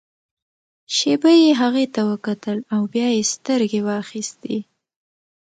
شېبه يې هغې ته وکتل او بيا يې سترګې واخيستې.